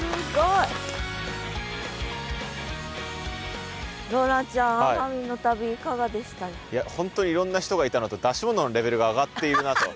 いや本当にいろんな人がいたのと出し物のレベルが上がっているなと。